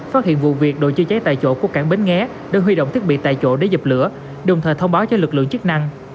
phát hiện vụ việc đội chữa cháy tại chỗ của cảng bến nghé đang huy động thiết bị tại chỗ để dập lửa đồng thời thông báo cho lực lượng chức năng